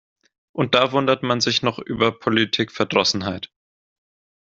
Und da wundert man sich noch über Politikverdrossenheit.